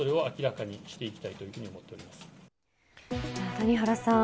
谷原さん